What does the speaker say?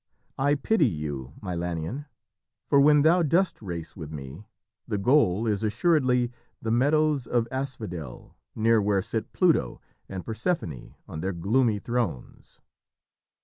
"I pity you, Milanion, for when thou dost race with me, the goal is assuredly the meadows of asphodel near where sit Pluto and Persephone on their gloomy thrones."